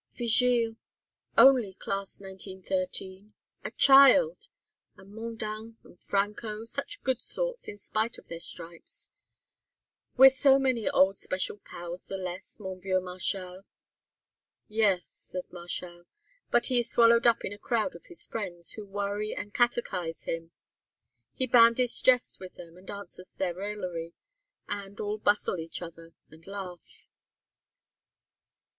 "Vigile only Class 1913 a child! And Mondain and Franco such good sorts, in spite of their stripes. We're so many old special pals the less, mon vieux Marchal." "Yes," says Marchal. But he is swallowed up in a crowd of his friends, who worry and catechise him. He bandies jests with them, and answers their raillery, and all hustle each other, and laugh.